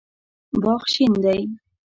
باغ شین دی